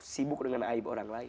sibuk dengan aib orang lain